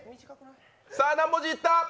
さあ、何文字いった？